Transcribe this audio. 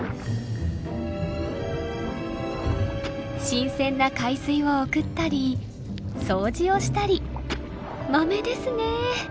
新鮮な海水を送ったり掃除をしたりマメですね。